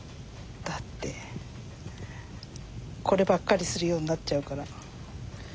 だってこればっかりするようになっちゃうから。